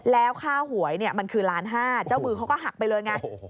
แล้วค่าหวยมันคือ๑๕๐๐๐๐๐เจ้ามือเขาก็หักไปเลย